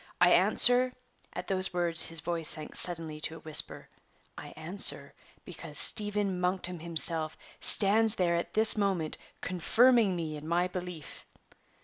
I answer" (at those words his voice sank suddenly to a whisper), "I answer, because Stephen Monkton himself stands there at this moment confirming me in my belief."